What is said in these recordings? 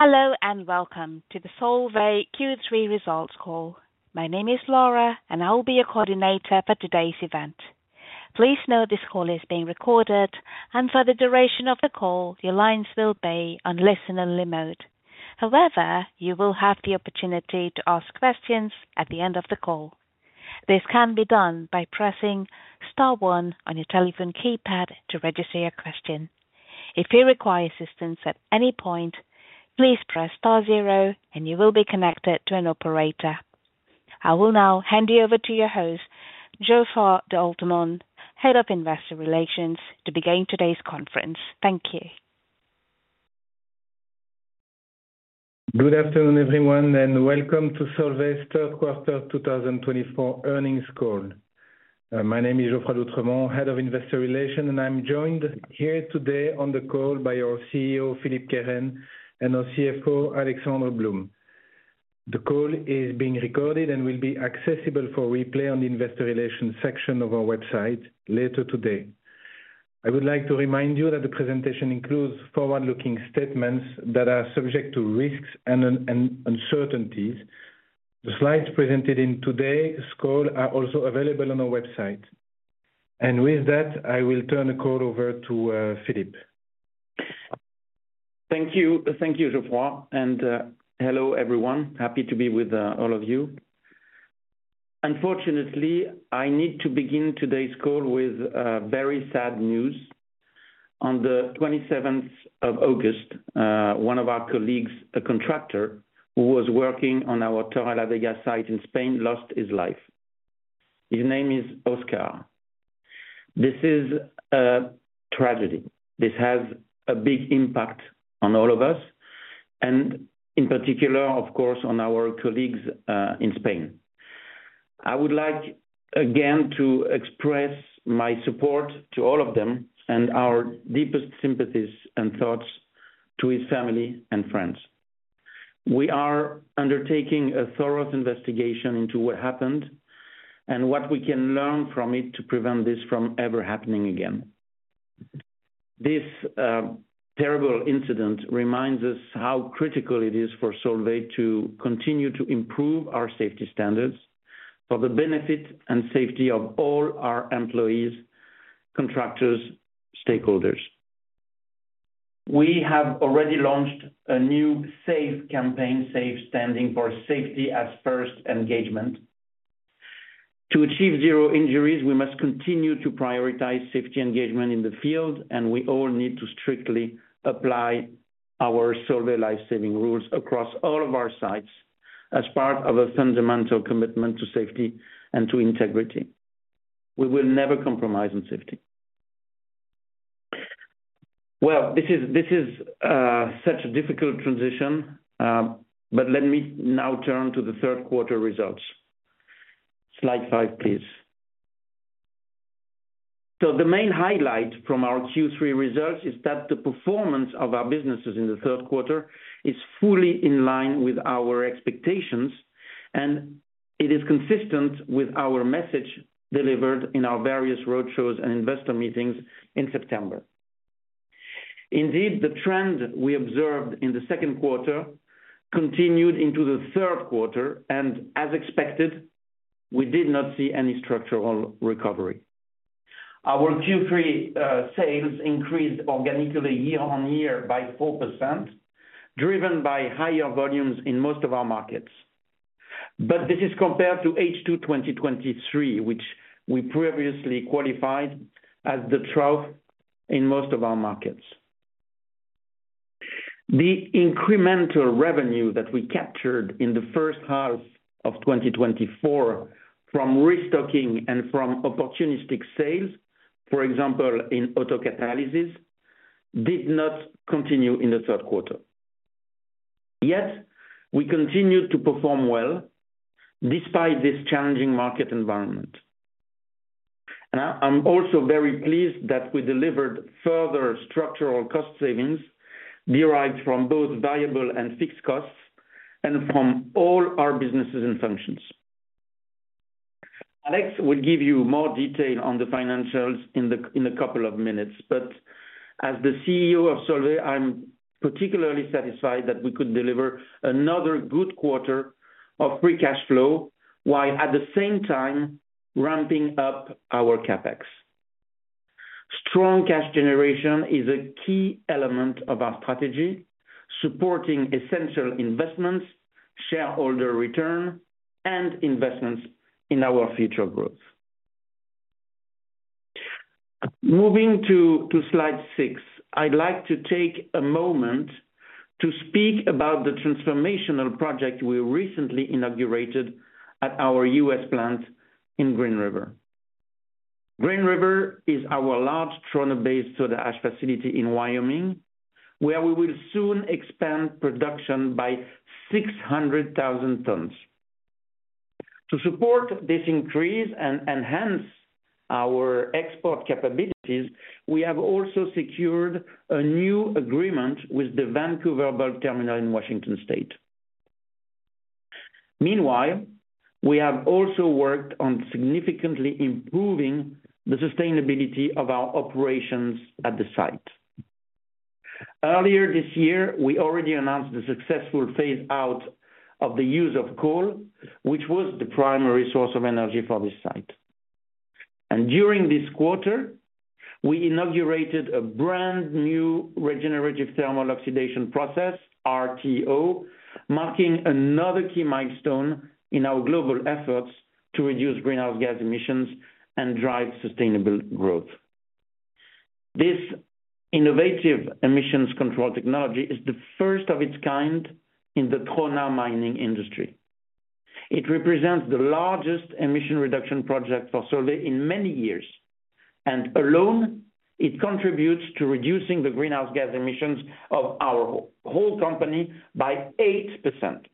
Hello and welcome to the Solvay Q3 results call. My name is Laura, and I will be your coordinator for today's event. Please know this call is being recorded, and for the duration of the call, your lines will be on listen-only mode. However, you will have the opportunity to ask questions at the end of the call. This can be done by pressing star one on your telephone keypad to register your question. If you require assistance at any point, please press star zero, and you will be connected to an operator. I will now hand you over to your host, Geoffroy d'Oultremont, Head of Investor Relations, to begin today's conference. Thank you. Good afternoon, everyone, and welcome to Solvay's third quarter 2024 earnings call. My name is Geoffroy d'Oultremont, Head of Investor Relations, and I'm joined here today on the call by our CEO, Philippe Kehren, and our CFO, Alexandre Blum. The call is being recorded and will be accessible for replay on the Investor Relations section of our website later today. I would like to remind you that the presentation includes forward-looking statements that are subject to risks and uncertainties. The slides presented in today's call are also available on our website. And with that, I will turn the call over to Philippe. Thank you. Thank you, Geoffroy. And hello, everyone. Happy to be with all of you. Unfortunately, I need to begin today's call with very sad news. On the 27th of August, one of our colleagues, a contractor who was working on our Torrelavega site in Spain, lost his life. His name is Oscar. This is a tragedy. This has a big impact on all of us, and in particular, of course, on our colleagues in Spain. I would like, again, to express my support to all of them and our deepest sympathies and thoughts to his family and friends. We are undertaking a thorough investigation into what happened and what we can learn from it to prevent this from ever happening again. This terrible incident reminds us how critical it is for Solvay to continue to improve our safety standards for the benefit and safety of all our employees, contractors, and stakeholders. We have already launched a new safe campaign, safe standing for Safety as First Engagement. To achieve zero injuries, we must continue to prioritize safety engagement in the field, and we all need to strictly apply our Solvay Life Saving Rules across all of our sites as part of a fundamental commitment to safety and to integrity. We will never compromise on safety. Well, this is such a difficult transition, but let me now turn to the third quarter results. Slide five, please. The main highlight from our Q3 results is that the performance of our businesses in the third quarter is fully in line with our expectations, and it is consistent with our message delivered in our various roadshows and investor meetings in September. Indeed, the trend we observed in the second quarter continued into the third quarter, and as expected, we did not see any structural recovery. Our Q3 sales increased organically year on year by 4%, driven by higher volumes in most of our markets. This is compared to H2 2023, which we previously qualified as the trough in most of our markets. The incremental revenue that we captured in the first half of 2024 from restocking and from opportunistic sales, for example, in Auto-catalysis, did not continue in the third quarter. Yet, we continued to perform well despite this challenging market environment. I'm also very pleased that we delivered further structural cost savings derived from both variable and fixed costs and from all our businesses and functions. Alex will give you more detail on the financials in a couple of minutes, but as the CEO of Solvay, I'm particularly satisfied that we could deliver another good quarter of free cash flow while at the same time ramping up our CapEx. Strong cash generation is a key element of our strategy, supporting essential investments, shareholder return, and investments in our future growth. Moving to slide six, I'd like to take a moment to speak about the transformational project we recently inaugurated at our U.S. plant in Green River. Green River is our large trona-based soda ash facility in Wyoming, where we will soon expand production by 600,000 tons. To support this increase and enhance our export capabilities, we have also secured a new agreement with the Vancouver Bulk Terminal in Washington State. Meanwhile, we have also worked on significantly improving the sustainability of our operations at the site. Earlier this year, we already announced the successful phase-out of the use of coal, which was the primary source of energy for this site, and during this quarter, we inaugurated a brand new regenerative thermal oxidation process, RTO, marking another key milestone in our global efforts to reduce greenhouse gas emissions and drive sustainable growth. This innovative emissions control technology is the first of its kind in the trona mining industry. It represents the largest emission reduction project for Solvay in many years, and alone, it contributes to reducing the greenhouse gas emissions of our whole company by 8%.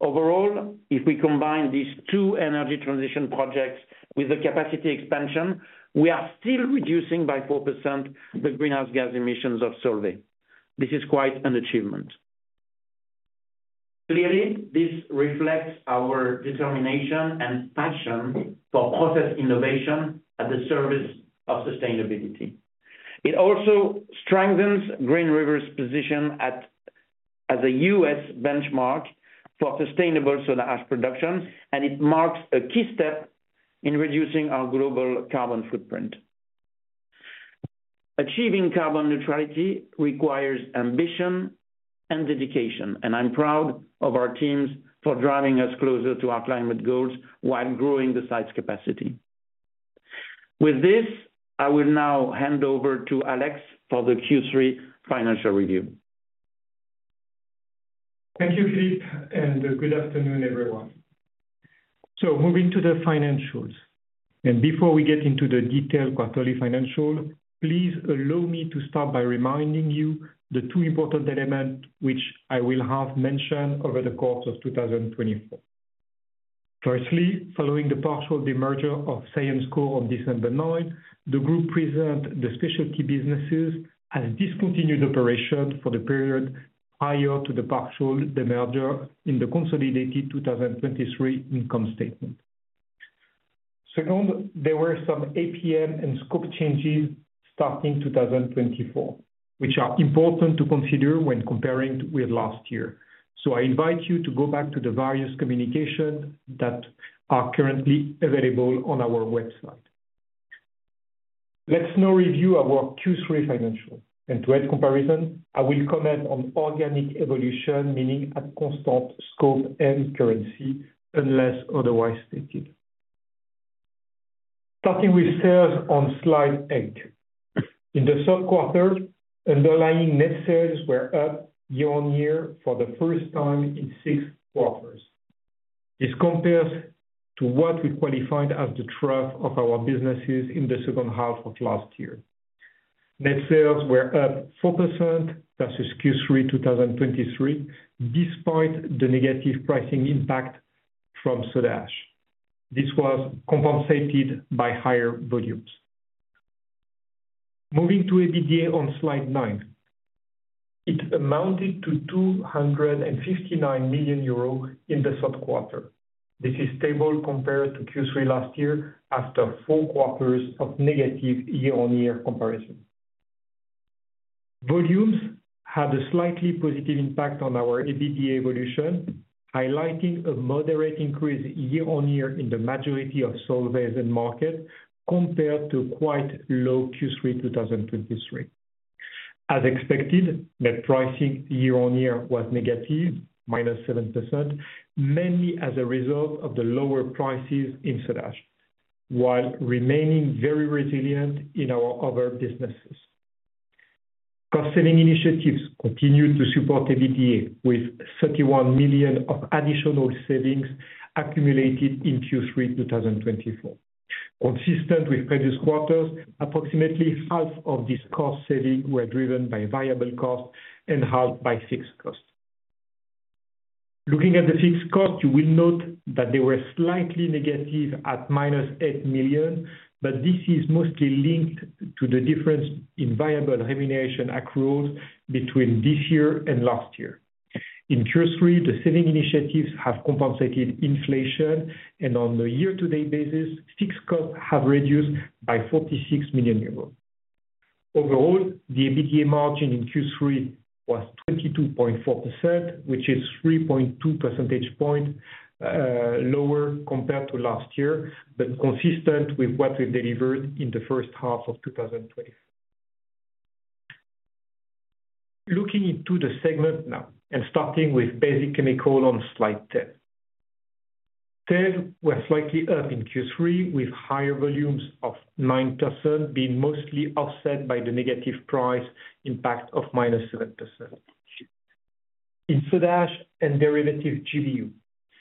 Overall, if we combine these two energy transition projects with the capacity expansion, we are still reducing by 4% the greenhouse gas emissions of Solvay. This is quite an achievement. Clearly, this reflects our determination and passion for process innovation at the service of sustainability. It also strengthens Green River's position as a U.S. benchmark for sustainable soda ash production, and it marks a key step in reducing our global carbon footprint. Achieving carbon neutrality requires ambition and dedication, and I'm proud of our teams for driving us closer to our climate goals while growing the site's capacity. With this, I will now hand over to Alex for the Q3 financial review. Thank you, Philippe, and good afternoon, everyone, so moving to the financials, and before we get into the detailed quarterly financial, please allow me to start by reminding you of the two important elements which I will have mentioned over the course of 2024. Firstly, following the partial demerger of Syensqo on December 9, the group presented the specialty businesses as discontinued operations for the period prior to the partial demerger in the consolidated 2023 income statement. Second, there were some APM and scope changes starting 2024, which are important to consider when comparing with last year, so I invite you to go back to the various communications that are currently available on our website. Let's now review our Q3 financials, and to add comparison, I will comment on organic evolution, meaning at constant scope and currency unless otherwise stated. Starting with sales on slide eight. In the third quarter, underlying net sales were up year on year for the first time in six quarters. This compares to what we qualified as the trough of our businesses in the second half of last year. Net sales were up 4% versus Q3 2023, despite the negative pricing impact from soda ash. This was compensated by higher volumes. Moving to EBITDA on slide nine, it amounted to 259 million euros in the third quarter. This is stable compared to Q3 last year after four quarters of negative year-on-year comparison. Volumes had a slightly positive impact on our EBITDA evolution, highlighting a moderate increase year-on-year in the majority of Solvay's end market compared to quite low Q3 2023. As expected, net pricing year-on-year was negative, -7%, mainly as a result of the lower prices in soda ash, while remaining very resilient in our other businesses. Cost-saving initiatives continued to support EBITDA with 31 million of additional savings accumulated in Q3 2024. Consistent with previous quarters, approximately half of these cost savings were driven by variable costs and half by fixed costs. Looking at the fixed costs, you will note that they were slightly negative at minus 8 million, but this is mostly linked to the difference in variable remuneration accruals between this year and last year. In Q3, the saving initiatives have compensated inflation, and on a year-to-date basis, fixed costs have reduced by 46 million euros. Overall, the EBITDA margin in Q3 was 22.4%, which is 3.2 percentage points lower compared to last year, but consistent with what we've delivered in the first half of 2024. Looking into the segment now and starting with basic chemical on slide 10. Sales were slightly up in Q3, with higher volumes of 9% being mostly offset by the negative price impact of minus 7%. In soda ash and derivative GBU,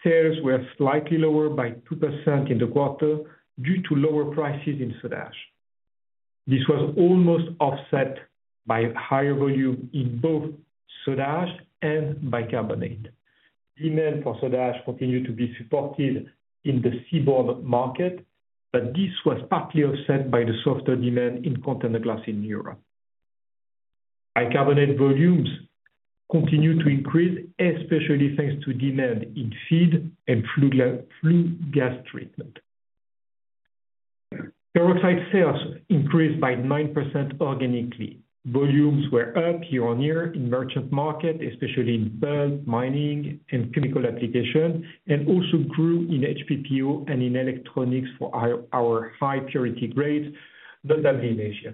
sales were slightly lower by 2% in the quarter due to lower prices in soda ash. This was almost offset by higher volume in both soda ash and bicarbonate. Demand for soda ash continued to be supported in the seaborne market, but this was partly offset by the softer demand in container glass in Europe. Bicarbonate volumes continued to increase, especially thanks to demand in feed and flue gas treatment. Peroxide sales increased by 9% organically. Volumes were up year-on-year in merchant market, especially in bleach, mining, and chemical application, and also grew in HBPO and in electronics for our high-purity grades, notably in Asia.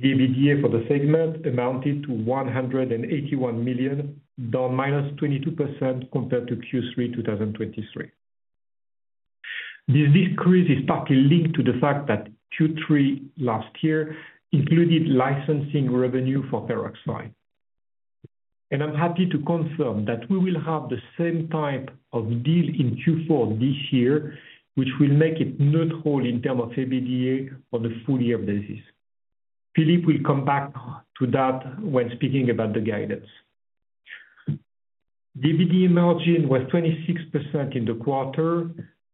The EBITDA for the segment amounted to 181 million, down minus 22% compared to Q3 2023. This decrease is partly linked to the fact that Q3 last year included licensing revenue for peroxide. I'm happy to confirm that we will have the same type of deal in Q4 this year, which will make it neutral in terms of EBITDA on a full-year basis. Philippe will come back to that when speaking about the guidance. The EBITDA margin was 26% in the quarter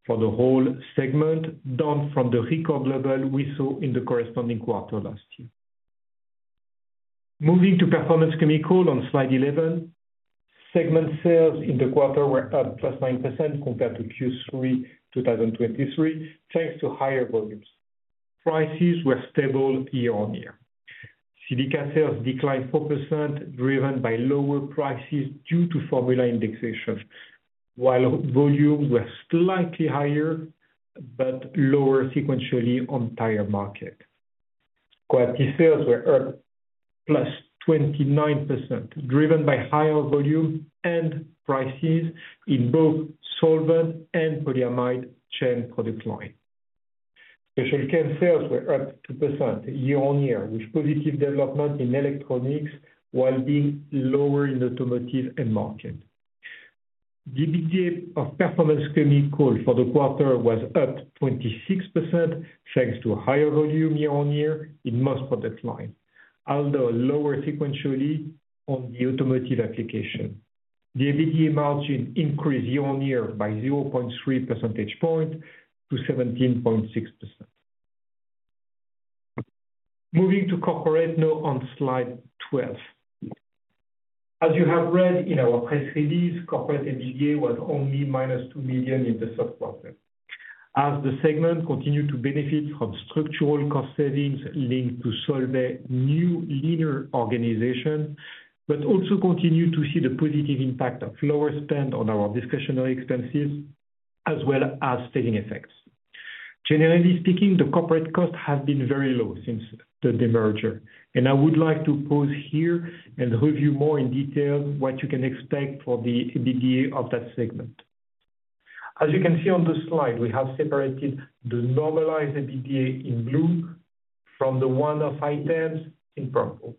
for the whole segment, down from the record level we saw in the corresponding quarter last year. Moving to Performance Chemicals on slide 11, segment sales in the quarter were up plus 9% compared to Q3 2023, thanks to higher volumes. Prices were stable year-on-year. Silica sales declined 4%, driven by lower prices due to formula indexation, while volumes were slightly higher but lower sequentially on the entire market. Quarterly sales were up + 29%, driven by higher volume and prices in both solvent and polyamide chain product line. Especially chem sales were up 2% year-on-year, with positive development in electronics while being lower in automotive and market. The EBITDA of performance chemical for the quarter was up 26%, thanks to higher volume year-on-year in most product lines, although lower sequentially on the automotive application. The EBITDA margin increased year-on-year by 0.3 percentage points to 17.6%. Moving to corporate note on slide 12. As you have read in our press release, corporate EBITDA was only minus 2 million in the third quarter, as the segment continued to benefit from structural cost savings linked to Solvay's new linear organization, but also continued to see the positive impact of lower spend on our discretionary expenses, as well as saving effects. Generally speaking, the corporate cost has been very low since the demerger, and I would like to pause here and review more in detail what you can expect for the EBITDA of that segment. As you can see on the slide, we have separated the normalized EBITDA in blue from the one-off items in purple.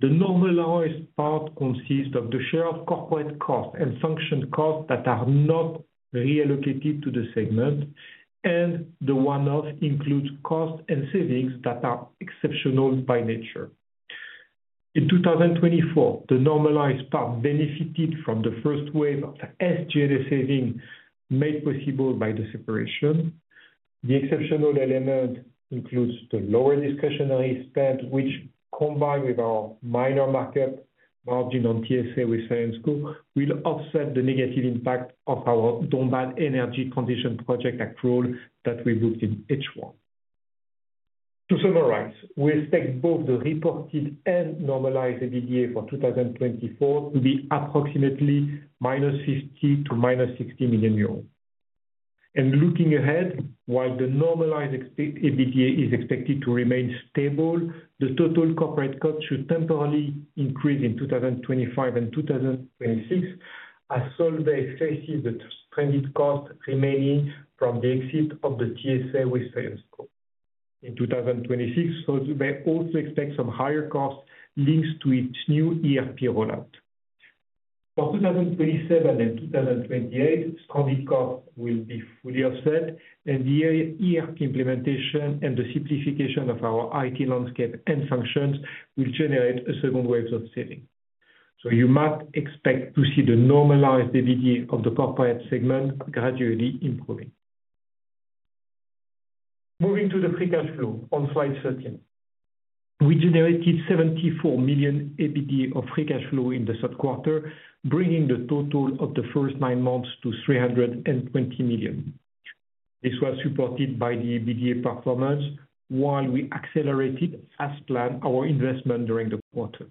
The normalized part consists of the share of corporate cost and function cost that are not reallocated to the segment, and the one-off includes costs and savings that are exceptional by nature. In 2024, the normalized part benefited from the first wave of SG&A savings made possible by the separation. The exceptional element includes the lower discretionary spend, which, combined with our minor market margin on TSA with Syensqo, will offset the negative impact of our Dombasle Energy transition project accrual that we booked in H1. To summarize, we expect both the reported and normalized EBITDA for 2024 to be approximately -50 million to -60 million euros, and looking ahead, while the normalized EBITDA is expected to remain stable, the total corporate cost should temporarily increase in 2025 and 2026 as Solvay faces the stranded cost remaining from the exit of the TSA with Syensqo. In 2026, Solvay also expects some higher costs linked to its new ERP rollout. For 2027 and 2028, stranded costs will be fully offset, and the ERP implementation and the simplification of our IT landscape and functions will generate a second wave of savings, so you might expect to see the normalized EBITDA of the corporate segment gradually improving. Moving to the free cash flow on slide 13. We generated 74 million EBITDA of free cash flow in the third quarter, bringing the total of the first nine months to 320 million. This was supported by the EBITDA performance, while we accelerated, as planned, our investment during the quarter.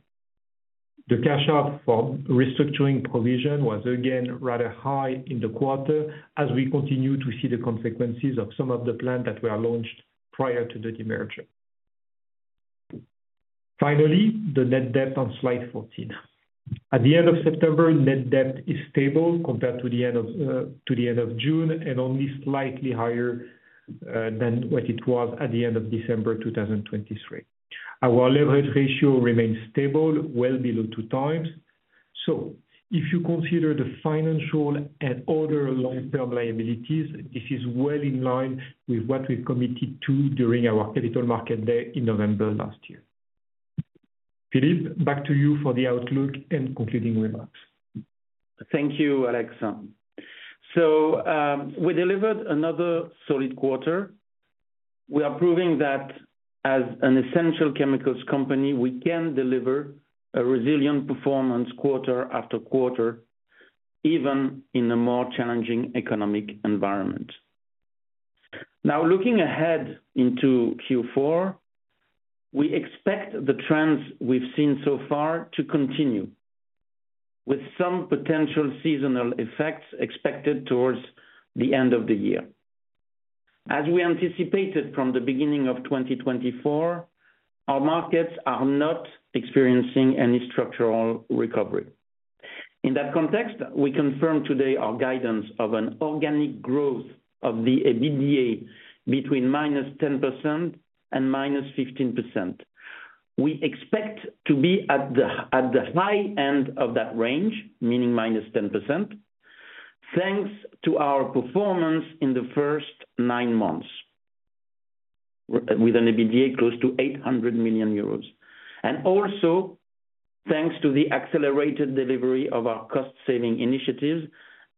The cash-out from restructuring provision was again rather high in the quarter, as we continue to see the consequences of some of the plans that were launched prior to the demerger. Finally, the net debt on slide 14. At the end of September, net debt is stable compared to the end of June and only slightly higher than what it was at the end of December 2023. Our leverage ratio remains stable, well below two times. So if you consider the financial and other long-term liabilities, this is well in line with what we've committed to during our capital market day in November last year. Philippe, back to you for the outlook and concluding remarks. Thank you, Alex. So we delivered another solid quarter. We are proving that, as an essential chemicals company, we can deliver a resilient performance quarter after quarter, even in a more challenging economic environment. Now, looking ahead into Q4, we expect the trends we've seen so far to continue, with some potential seasonal effects expected towards the end of the year. As we anticipated from the beginning of 2024, our markets are not experiencing any structural recovery. In that context, we confirm today our guidance of an organic growth of the EBITDA between - 10% and - 15%. We expect to be at the high end of that range, meaning - 10%, thanks to our performance in the first nine months, with an EBITDA close to 800 million euros. Also, thanks to the accelerated delivery of our cost-saving initiatives,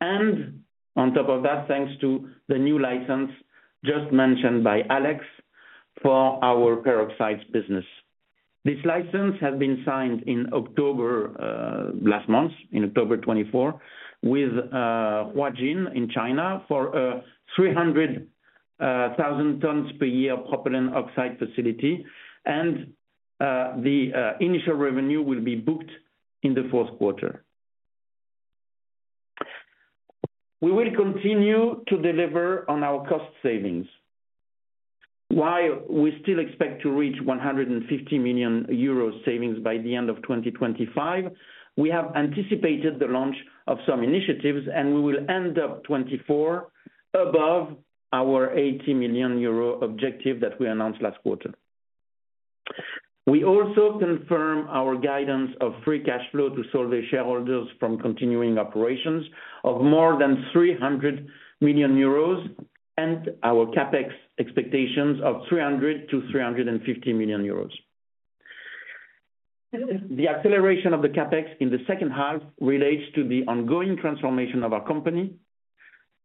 and on top of that, thanks to the new license just mentioned by Alex for our peroxide business. This license has been signed in October last month, in October 2024, with Huajin in China for a 300,000 tons per year propylene oxide facility, and the initial revenue will be booked in the fourth quarter. We will continue to deliver on our cost savings. While we still expect to reach 150 million euros savings by the end of 2025, we have anticipated the launch of some initiatives, and we will end up 2024 above our 80 million euro objective that we announced last quarter. We also confirm our guidance of free cash flow to Solvay shareholders from continuing operations of more than 300 million euros and our CapEx expectations of 300 million-350 million euros. The acceleration of the CapEx in the second half relates to the ongoing transformation of our company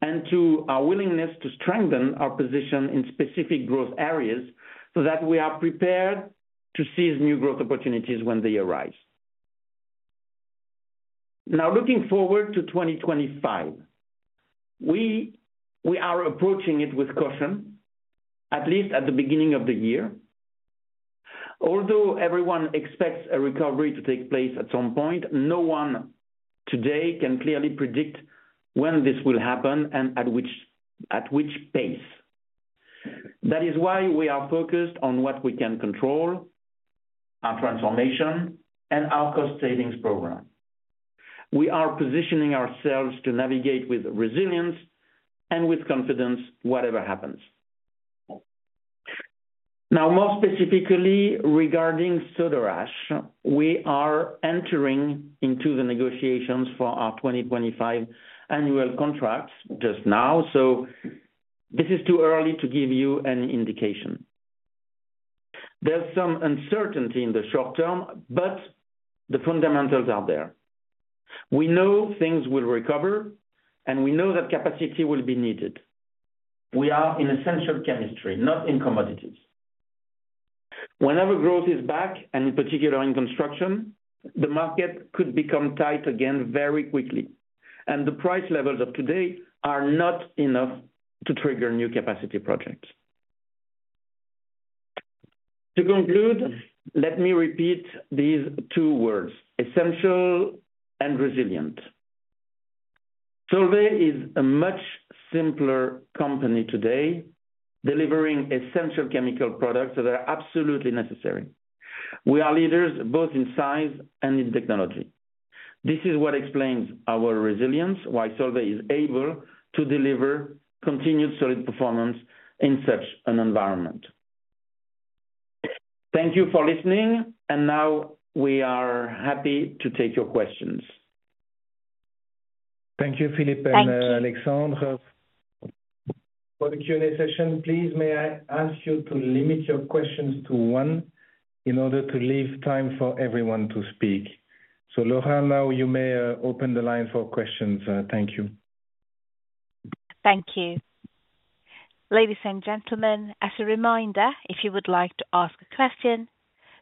and to our willingness to strengthen our position in specific growth areas so that we are prepared to seize new growth opportunities when they arise. Now, looking forward to 2025, we are approaching it with caution, at least at the beginning of the year. Although everyone expects a recovery to take place at some point, no one today can clearly predict when this will happen and at which pace. That is why we are focused on what we can control, our transformation, and our cost savings program. We are positioning ourselves to navigate with resilience and with confidence, whatever happens. Now, more specifically regarding soda ash, we are entering into the negotiations for our 2025 annual contracts just now, so this is too early to give you an indication. There's some uncertainty in the short term, but the fundamentals are there. We know things will recover, and we know that capacity will be needed. We are in essential chemistry, not in commodities. Whenever growth is back, and in particular in construction, the market could become tight again very quickly, and the price levels of today are not enough to trigger new capacity projects. To conclude, let me repeat these two words: essential and resilient. Solvay is a much simpler company today, delivering essential chemical products that are absolutely necessary. We are leaders both in size and in technology. This is what explains our resilience, why Solvay is able to deliver continued solid performance in such an environment. Thank you for listening, and now we are happy to take your questions. Thank you, Philippe and Alexandre. For the Q&A session, please, may I ask you to limit your questions to one in order to leave time for everyone to speak? So, Laurent, now you may open the line for questions. Thank you. Thank you. Ladies and gentlemen, as a reminder, if you would like to ask a question,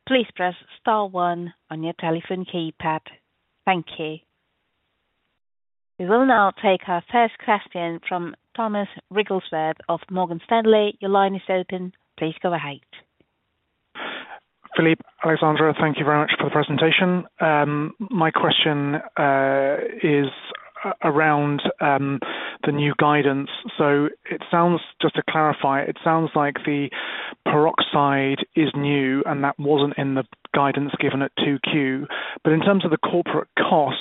please press star one on your telephone keypad. Thank you. We will now take our first question from Thomas Rigglesworth of Morgan Stanley. Your line is open. Please go ahead. Philippe, Alexandre, thank you very much for the presentation. My question is around the new guidance. So it sounds, just to clarify, it sounds like the peroxide is new, and that wasn't in the guidance given at 2Q. But in terms of the corporate costs,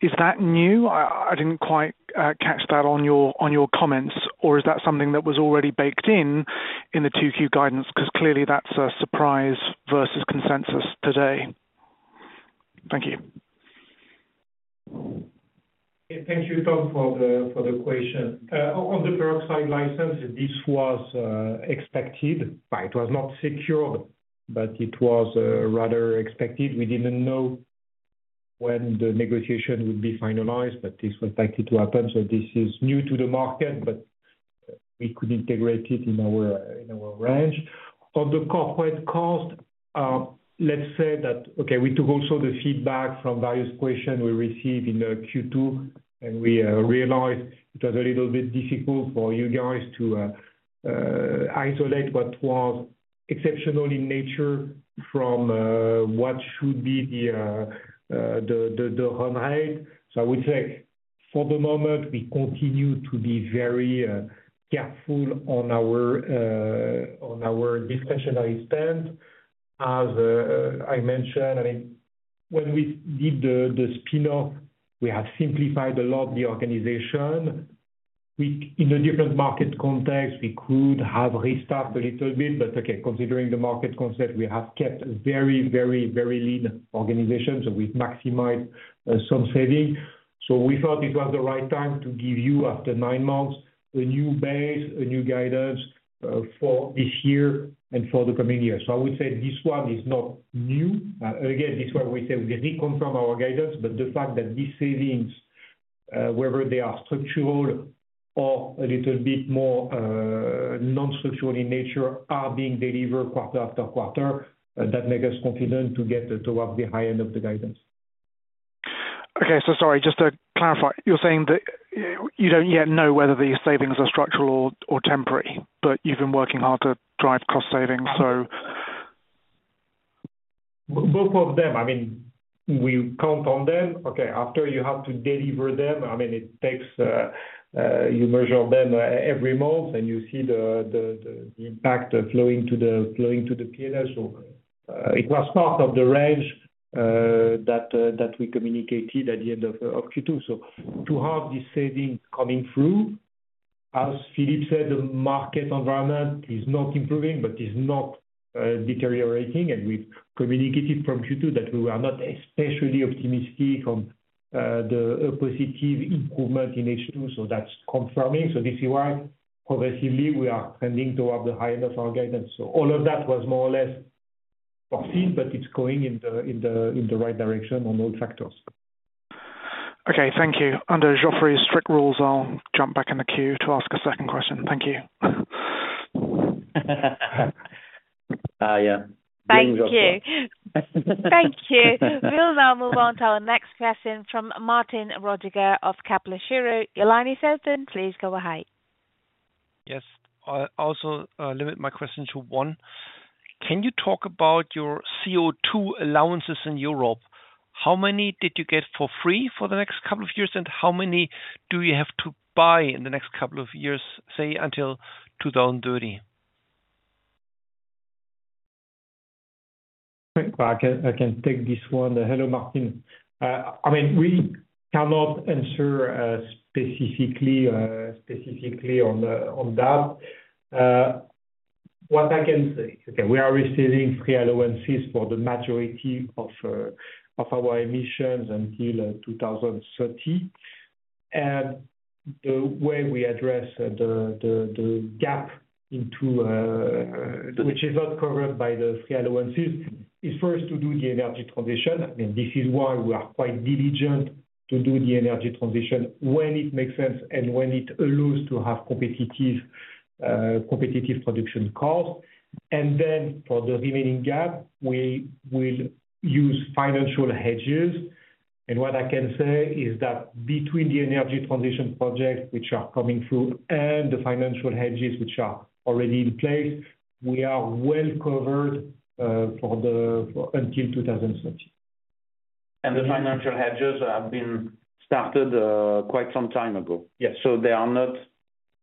is that new? I didn't quite catch that on your comments, or is that something that was already baked in in the 2Q guidance? Because clearly, that's a surprise versus consensus today. Thank you. Thank you, Tom, for the question. On the peroxide license, this was expected. It was not secured, but it was rather expected. We didn't know when the negotiation would be finalized, but this was likely to happen. So this is new to the market, but we could integrate it in our range. On the corporate cost, let's say that, okay, we took also the feedback from various questions we received in Q2, and we realized it was a little bit difficult for you guys to isolate what was exceptional in nature from what should be the run rate. So I would say, for the moment, we continue to be very careful on our discretionary spend. As I mentioned, I mean, when we did the spin-off, we have simplified a lot the organization. In the different market context, we could have restarted a little bit, but okay, considering the market concept, we have kept a very, very, very lean organization, so we've maximized some savings. We thought it was the right time to give you, after nine months, a new base, a new guidance for this year and for the coming years. I would say this one is not new. Again, this one, we say we reconfirm our guidance, but the fact that these savings, whether they are structural or a little bit more non-structural in nature, are being delivered quarter after quarter, that makes us confident to get towards the high end of the guidance. Okay, so sorry, just to clarify, you're saying that you don't yet know whether these savings are structural or temporary, but you've been working hard to drive cost savings, so. Both of them, I mean, we count on them. Okay, after you have to deliver them, I mean, it takes you measure them every month, and you see the impact flowing to the P&L, so it was part of the range that we communicated at the end of Q2. To have these savings coming through, as Philippe said, the market environment is not improving, but it's not deteriorating, and we've communicated from Q2 that we were not especially optimistic on the positive improvement in H2, so that's confirming. This is why progressively we are trending towards the high end of our guidance, so all of that was more or less foreseen, but it's going in the right direction on all factors. Okay, thank you. Under Geoffroy's strict rules, I'll jump back in the queue to ask a second question. Thank you. yeah. Thank you. Thank you. We'll now move on to our next question from Martin Roediger of Kepler Cheuvreux. Your line is open, please go ahead. Yes. I'll also limit my question to one. Can you talk about your CO2 allowances in Europe? How many did you get for free for the next couple of years, and how many do you have to buy in the next couple of years, say, until 2030? I can take this one. Hello, Martin. I mean, we cannot answer specifically on that. What I can say, okay, we are receiving free allowances for the majority of our emissions until 2030. And the way we address the gap into which is not covered by the free allowances is first to do the energy transition. I mean, this is why we are quite diligent to do the energy transition when it makes sense and when it allows to have competitive production costs. And then for the remaining gap, we will use financial hedges. And what I can say is that between the energy transition projects which are coming through and the financial hedges which are already in place, we are well covered until 2030. And the financial hedges have been started quite some time ago. Yes. So they are not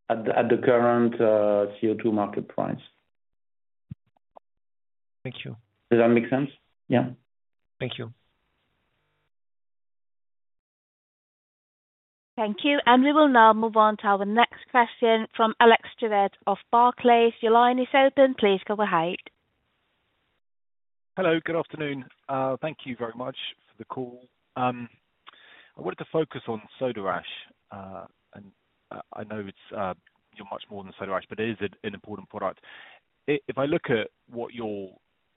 at the current CO2 market price. Thank you. Does that make sense? Yeah. Thank you. Thank you. And we will now move on to our next question from Alex Stewart of Barclays. Your line is open. Please go ahead. Hello, good afternoon. Thank you very much for the call. I wanted to focus on Soda Ash, and I know you're much more than Soda Ash, but it is an important product. If I look at what your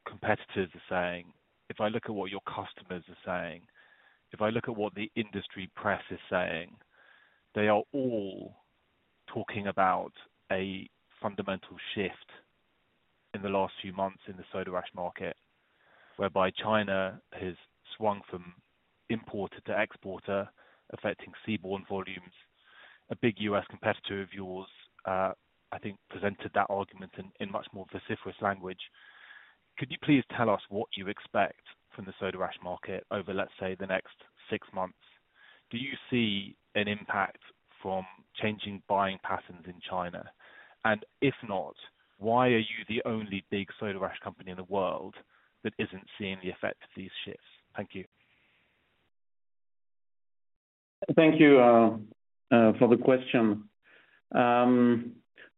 competitors are saying, if I look at what your customers are saying, if I look at what the industry press is saying, they are all talking about a fundamental shift in the last few months in the Soda Ash market, whereby China has swung from importer to exporter, affecting seaborne volumes. A big U.S. competitor of yours, I think, presented that argument in much more vociferous language. Could you please tell us what you expect from the Soda Ash market over, let's say, the next six months? Do you see an impact from changing buying patterns in China? If not, why are you the only big soda ash company in the world that isn't seeing the effect of these shifts? Thank you. Thank you for the question.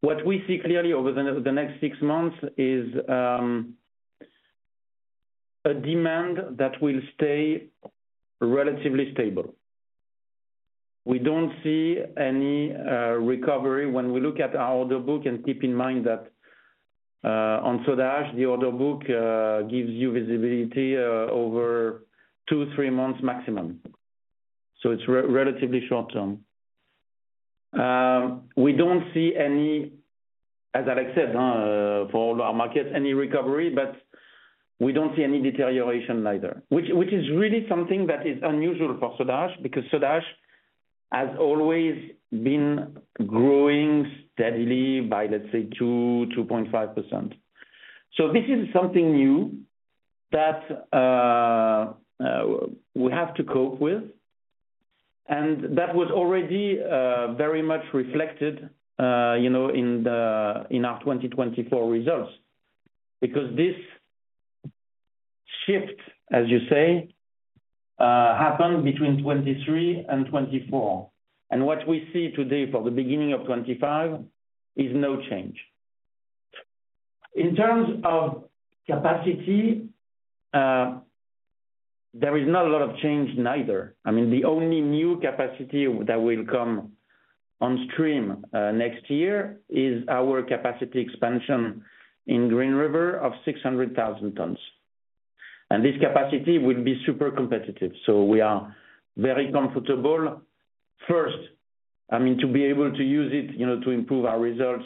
What we see clearly over the next six months is a demand that will stay relatively stable. We don't see any recovery when we look at our order book, and keep in mind that on soda ash, the order book gives you visibility over two, three months maximum. So it's relatively short term. We don't see any, as Alex said, for all our markets, any recovery, but we don't see any deterioration either, which is really something that is unusual for soda ash because soda ash has always been growing steadily by, let's say, 2%-2.5%. So this is something new that we have to cope with. And that was already very much reflected in our 2024 results because this shift, as you say, happened between 2023 and 2024. And what we see today for the beginning of 2025 is no change. In terms of capacity, there is not a lot of change neither. I mean, the only new capacity that will come on stream next year is our capacity expansion in Green River of 600,000 tons, and this capacity will be super competitive, so we are very comfortable, first, I mean, to be able to use it to improve our results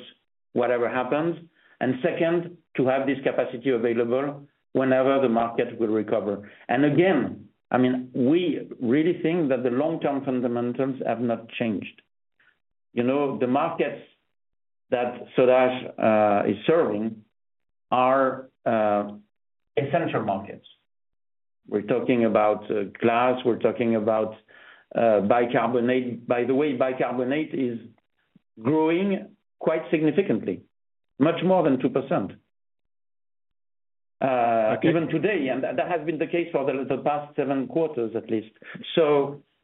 whatever happens, and second, to have this capacity available whenever the market will recover, and again, I mean, we really think that the long-term fundamentals have not changed. The markets that soda ash is serving are essential markets. We're talking about glass, we're talking about bicarbonate. By the way, bicarbonate is growing quite significantly, much more than 2%. Okay. Even today, and that has been the case for the past seven quarters at least.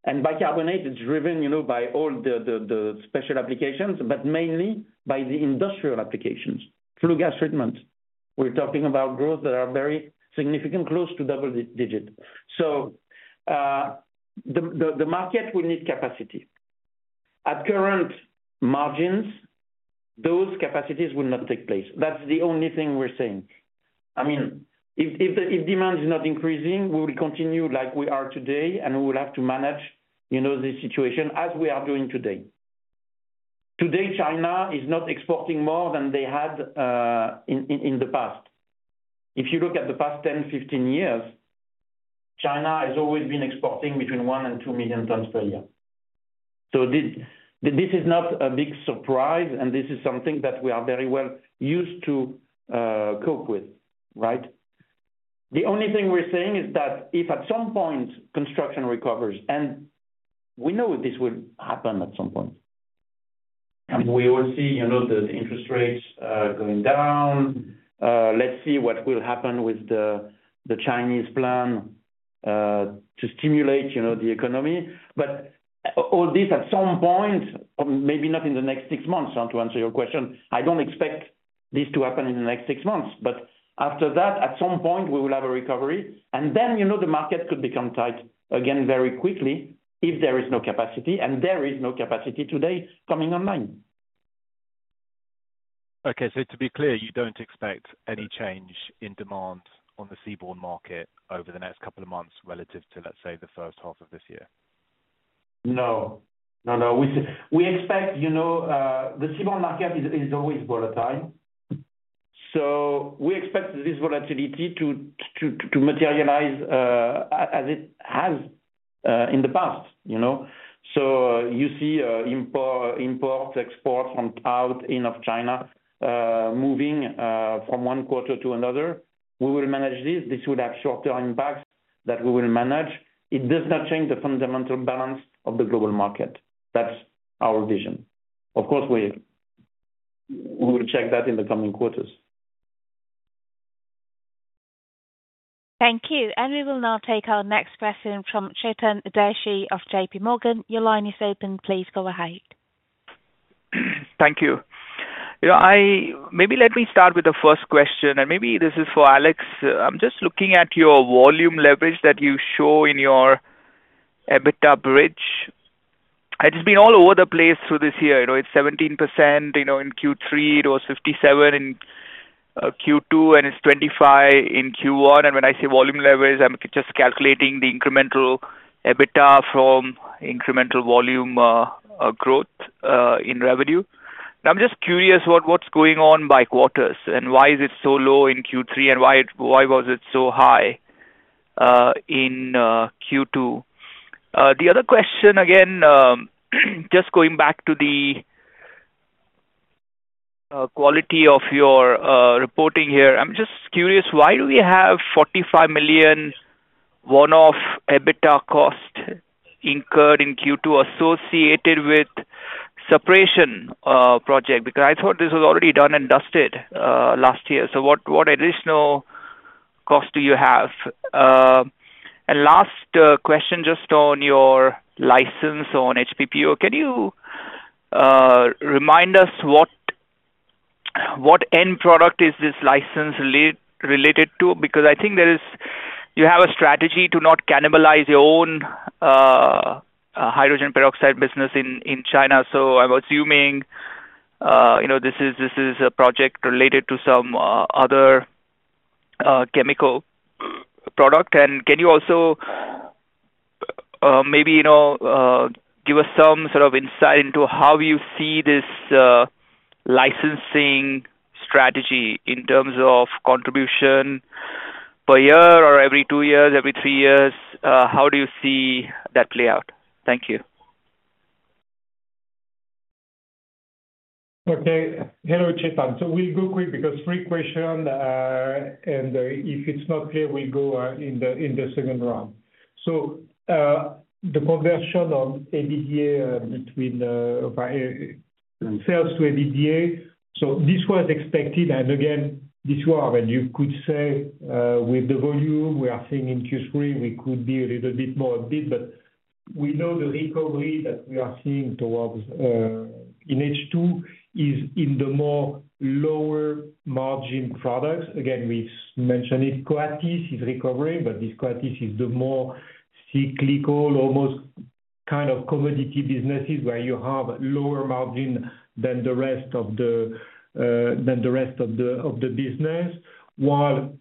And bicarbonate is driven by all the special applications, but mainly by the industrial applications. Flue gas treatment, we're talking about growth that are very significant, close to double digit. So the market will need capacity. At current margins, those capacities will not take place. That's the only thing we're saying. I mean, if demand is not increasing, we will continue like we are today, and we will have to manage the situation as we are doing today. Today, China is not exporting more than they had in the past. If you look at the past 10, 15 years, China has always been exporting between 1 and 2 million tons per year. So this is not a big surprise, and this is something that we are very well used to cope with, right? The only thing we're saying is that if at some point construction recovers, and we know this will happen at some point, and we will see the interest rates going down, let's see what will happen with the Chinese plan to stimulate the economy. But all this at some point, maybe not in the next six months, to answer your question, I don't expect this to happen in the next six months. But after that, at some point, we will have a recovery, and then the market could become tight again very quickly if there is no capacity, and there is no capacity today coming online. Okay, so to be clear, you don't expect any change in demand on the seaborne market over the next couple of months relative to, let's say, the first half of this year? No. No, no. We expect the seaborne market is always volatile. So we expect this volatility to materialize as it has in the past. So you see imports, exports from out, in of China moving from one quarter to another. We will manage this. This will have shorter impacts that we will manage. It does not change the fundamental balance of the global market. That's our vision. Of course, we will check that in the coming quarters. Thank you, and we will now take our next question from Chetan Udeshi of J.P. Morgan. Your line is open. Please go ahead. Thank you. Maybe let me start with the first question, and maybe this is for Alex. I'm just looking at your volume leverage that you show in your EBITDA bridge. It has been all over the place through this year. It's 17% in Q3, it was 57% in Q2, and it's 25% in Q1. And when I say volume leverage, I'm just calculating the incremental EBITDA from incremental volume growth in revenue. I'm just curious what's going on by quarters and why is it so low in Q3 and why was it so high in Q2. The other question, again, just going back to the quality of your reporting here, I'm just curious, why do we have 45 million one-off EBITDA cost incurred in Q2 associated with separation project? Because I thought this was already done and dusted last year. So what additional cost do you have? And last question, just on your license on HBPO, can you remind us what end product is this license related to? Because I think you have a strategy to not cannibalize your own hydrogen peroxide business in China. So I'm assuming this is a project related to some other chemical product. And can you also maybe give us some sort of insight into how you see this licensing strategy in terms of contribution per year or every two years, every three years? How do you see that play out? Thank you. Okay. Hello, Chetan. We'll go quick because three questions, and if it's not clear, we'll go in the second round. The conversion of EBITDA between sales to EBITDA, so this was expected. And again, this one, I mean, you could say with the volume we are seeing in Q3, we could be a little bit more, but we know the recovery that we are seeing towards in H2 is in the lower margin products. Again, we've mentioned it. Coatis is recovering, but this Coatis is the more cyclical, almost kind of commodity businesses where you have lower margin than the rest of the business. While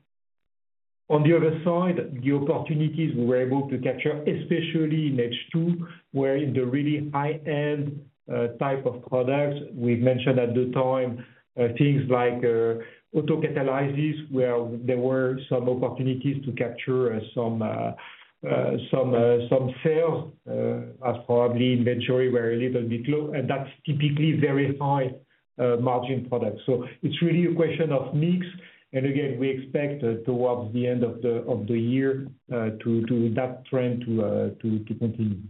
on the other side, the opportunities we were able to capture, especially in H2, were in the really high-end type of products. We've mentioned at the time things like Auto-Catalysis where there were some opportunities to capture some sales as probably inventory were a little bit low, and that's typically very high margin products, so it's really a question of mix, and again, we expect towards the end of the year that trend to continue.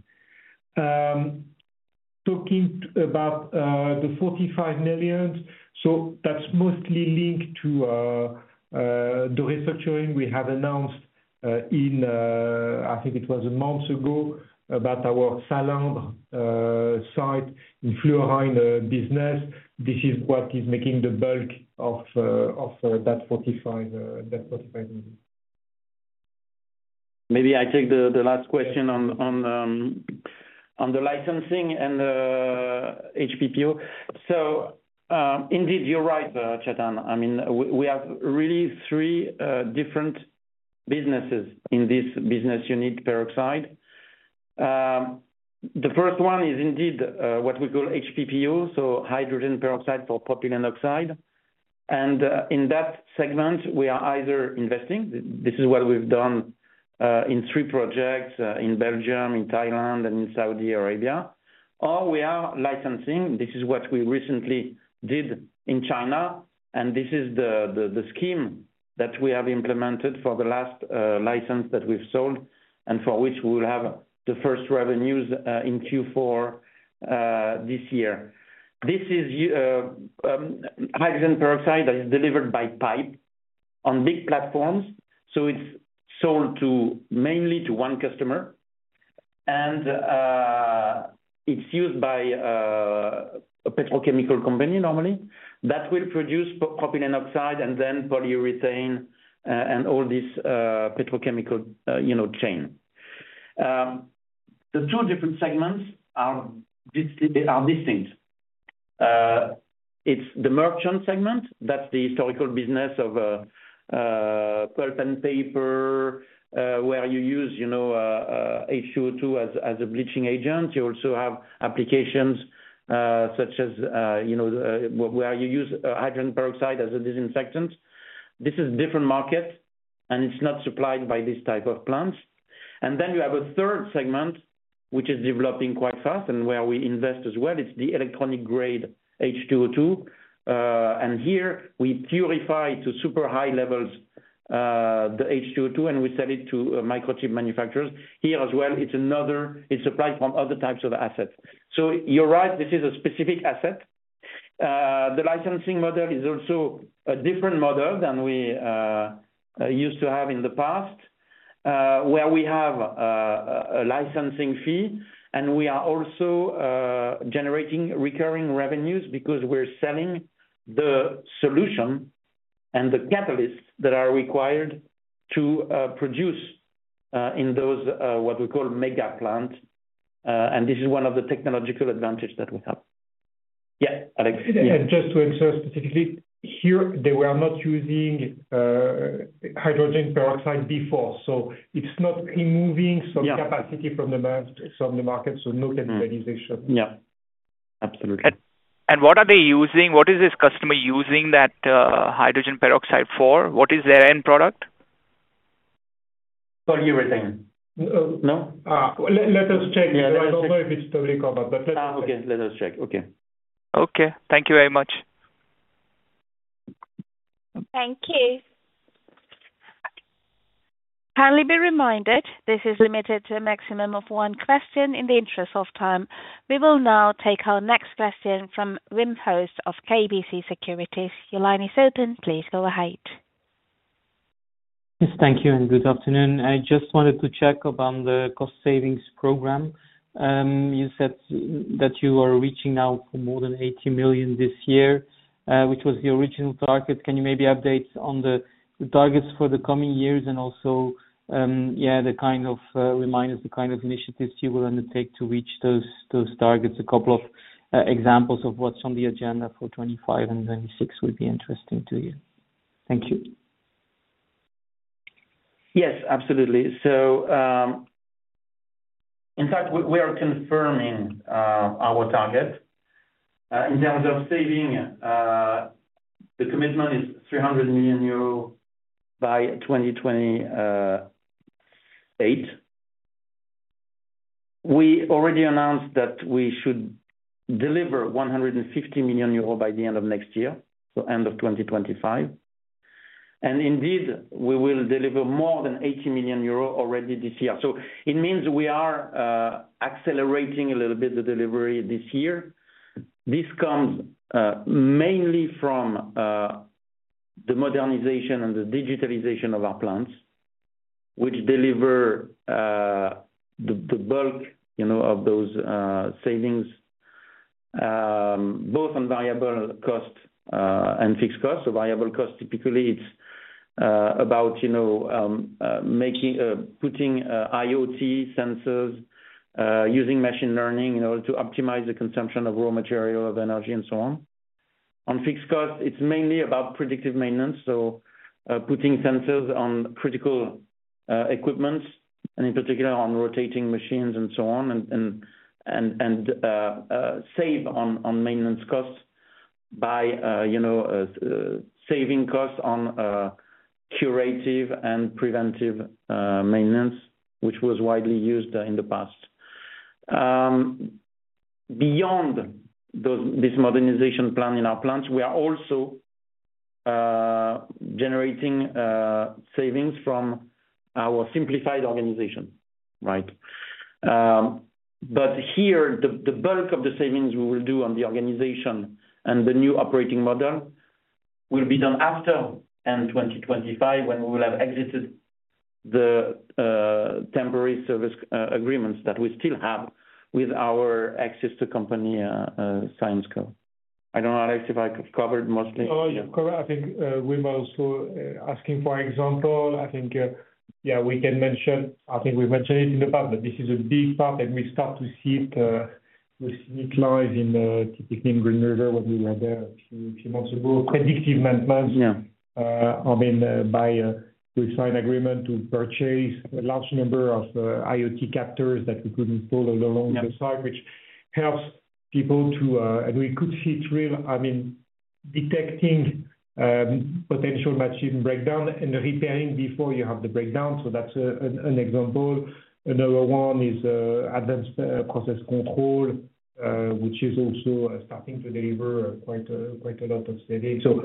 Talking about the 45 million, so that's mostly linked to the restructuring we have announced in, I think it was a month ago, about our Salindres site in Fluorine business. This is what is making the bulk of that 45 million. Maybe I take the last question on the licensing and HBPO, so indeed, you're right, Chetan. I mean, we have really three different businesses in this business unit Peroxide. The first one is indeed what we call HBPO, so hydrogen peroxide for propylene oxide. In that segment, we are either investing. This is what we've done in three projects in Belgium, in Thailand, and in Saudi Arabia, or we are licensing. This is what we recently did in China, and this is the scheme that we have implemented for the last license that we've sold and for which we will have the first revenues in Q4 this year. This is hydrogen peroxide that is delivered by pipe on big platforms. It's sold mainly to one customer, and it's used by a petrochemical company normally that will produce propylene oxide and then polyurethane and all this petrochemical chain. The two different segments are distinct. It's the merchant segment. That's the historical business of pulp and paper where you use H2O2 as a bleaching agent. You also have applications such as where you use hydrogen peroxide as a disinfectant. This is a different market, and it's not supplied by this type of plants. And then you have a third segment which is developing quite fast and where we invest as well. It's the electronic-grade H2O2. And here we purify to super high levels the H2O2, and we sell it to microchip manufacturers. Here as well, it's supplied from other types of assets. So you're right, this is a specific asset. The licensing model is also a different model than we used to have in the past where we have a licensing fee, and we are also generating recurring revenues because we're selling the solution and the catalysts that are required to produce in those what we call mega plants. And this is one of the technological advantages that we have. Yeah, Alex. And just to ensure specifically, here they were not using hydrogen peroxide before. It's not removing some capacity from the market, so no cannibalization. Yeah. Absolutely, What are they using? What is this customer using that hydrogen peroxide for? What is their end product? Polyurethane. No. Let us check. I don't know if it's to recover or not, but let us check. Okay. Let us check. Okay. Okay. Thank you very much. Thank you. Can I remind everybody, this is limited to a maximum of one question in the interest of time. We will now take our next question from Wim Hoste of KBC Securities. Your line is open. Please go ahead. Yes, thank you, and good afternoon. I just wanted to check up on the cost savings program. You said that you are reaching now for more than 80 million this year, which was the original target. Can you maybe update on the targets for the coming years and also, yeah, remind us the kind of initiatives you will undertake to reach those targets? A couple of examples of what's on the agenda for 2025 and 2026 would be interesting to you. Thank you. Yes, absolutely. So in fact, we are confirming our target. In terms of saving, the commitment is 300 million euro by 2028. We already announced that we should deliver 150 million euros by the end of next year, so end of 2025. And indeed, we will deliver more than 80 million euros already this year. So it means we are accelerating a little bit the delivery this year. This comes mainly from the modernization and the digitalization of our plants, which deliver the bulk of those savings, both on variable cost and fixed cost. So variable cost, typically, it's about putting IoT sensors, using machine learning in order to optimize the consumption of raw material, of energy, and so on. On fixed cost, it's mainly about predictive maintenance, so putting sensors on critical equipment, and in particular, on rotating machines and so on, and save on maintenance costs by saving costs on curative and preventive maintenance, which was widely used in the past. Beyond this modernization plan in our plants, we are also generating savings from our simplified organization, right? But here, the bulk of the savings we will do on the organization and the new operating model will be done after end 2025 when we will have exited the temporary service agreements that we still have with our ex-Syensqo company. I don't know, Alex, if I covered mostly. No, I think Wim also asking, for example, I think, yeah, we can mention. I think we've mentioned it in the past, but this is a big part, and we start to see it live in typically in Green River when we were there a few months ago. Predictive maintenance, I mean, we signed agreement to purchase a large number of IoT sensors that we could install all along the site, which helps people to, and we could see three, I mean, detecting potential machine breakdown and repairing before you have the breakdown. So that's an example. Another one is advanced process control, which is also starting to deliver quite a lot of savings. So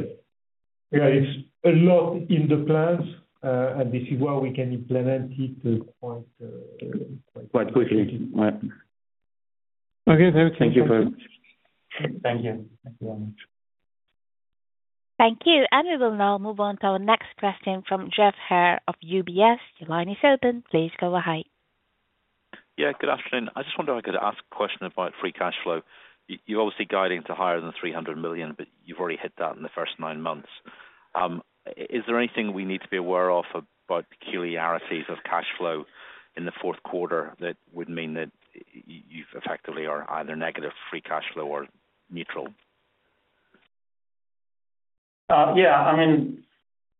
yeah, it's a lot in the plants, and this is why we can implement it quite quickly. Quite quickly. Thank you very much. Thank you. And we will now move on to our next question from Geoff Haire of UBS. Your line is open. Please go ahead. Yeah, good afternoon. I just wonder if I could ask a question about free cash flow. You're obviously guiding to higher than 300 million, but you've already hit that in the first nine months. Is there anything we need to be aware of about peculiarities of cash flow in the fourth quarter that would mean that you effectively are either negative free cash flow or neutral? Yeah. I mean,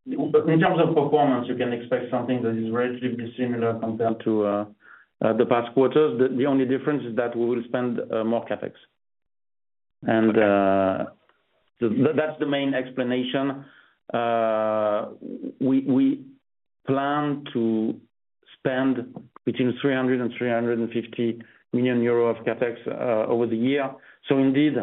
in terms of performance, you can expect something that is relatively similar compared to the past quarters. The only difference is that we will spend more CapEx. And that's the main explanation. We plan to spend between 300 and 350 million euro of CapEx over the year. So indeed,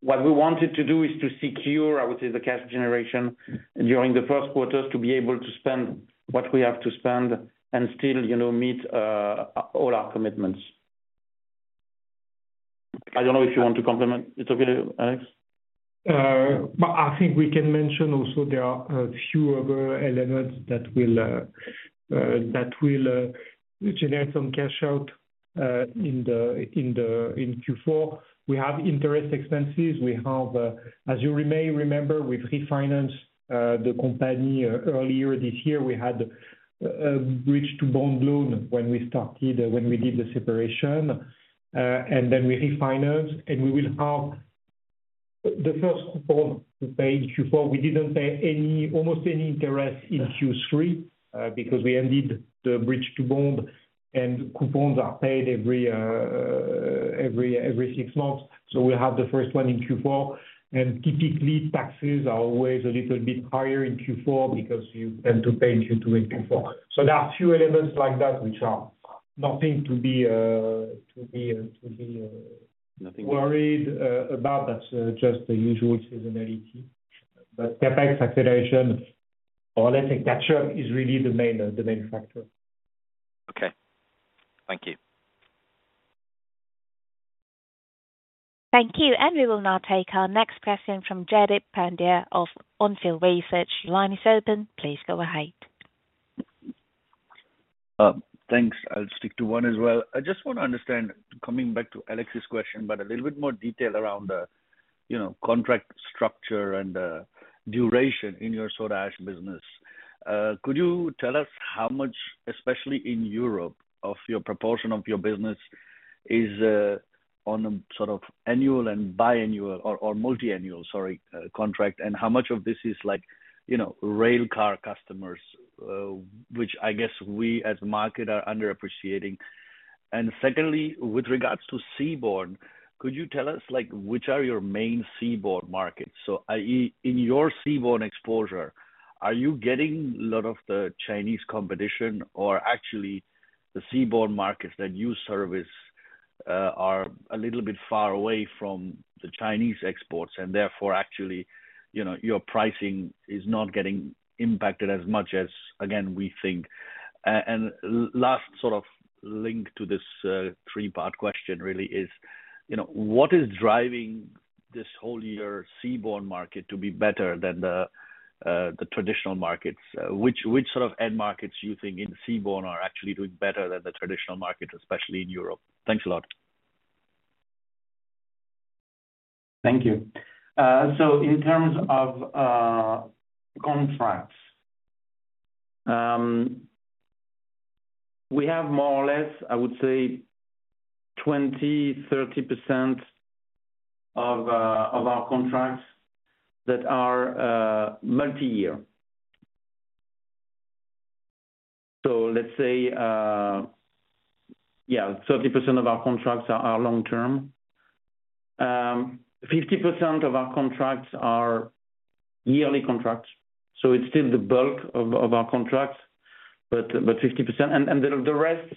what we wanted to do is to secure, I would say, the cash generation during the first quarters to be able to spend what we have to spend and still meet all our commitments. I don't know if you want to comment. It's okay, Alex? I think we can mention also there are a few other elements that will generate some cash out in Q4. We have interest expenses. As you may remember, we've refinanced the company earlier this year. We had a bridge-to-bond loan when we started, when we did the separation. And then we refinanced, and we will have the first coupon we paid Q4. We didn't pay almost any interest in Q3 because we ended the bridge-to-bond, and coupons are paid every six months. So we'll have the first one in Q4. And typically, taxes are always a little bit higher in Q4 because you tend to pay Q2 and Q4. So there are a few elements like that which are nothing to be worried about. That's just the usual seasonality. But CapEx acceleration or let's say catch-up is really the main factor. Okay. Thank you. Thank you, and we will now take our next question from Jaideep Pandya of On Field Research. Your line is open. Please go ahead. Thanks. I'll stick to one as well. I just want to understand, coming back to Alex's question, but a little bit more detail around the contract structure and duration in your soda ash business. Could you tell us how much, especially in Europe, of your proportion of your business is on sort of annual and biannual or multi-annual, sorry, contract, and how much of this is rail car customers, which I guess we as a market are underappreciating? And secondly, with regards to seaborne, could you tell us which are your main seaborne markets? So in your seaborne exposure, are you getting a lot of the Chinese competition or actually the seaborne markets that you service are a little bit far away from the Chinese exports and therefore actually your pricing is not getting impacted as much as, again, we think? Last sort of link to this three-part question really is what is driving this whole seaborne market to be better than the traditional markets? Which sort of end markets do you think in seaborne are actually doing better than the traditional market, especially in Europe? Thanks a lot. Thank you. So in terms of contracts, we have more or less, I would say, 20%-30% of our contracts that are multi-year. So let's say, yeah, 30% of our contracts are long-term. 50% of our contracts are yearly contracts. So it's still the bulk of our contracts, but 50%. And the rest